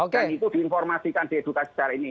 dan itu diinformasikan di edukasi sekarang ini